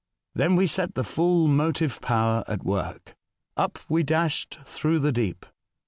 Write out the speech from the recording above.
Then we set the full motive power at >york. Up we dashed through the deep.